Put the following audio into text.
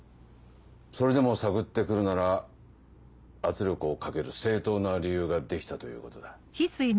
それでも探って来るなら圧力をかける正当な理由ができたということだ。